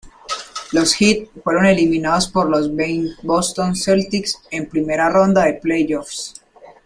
Los Heat fueron eliminados por los Boston Celtics en primera ronda de playoffs.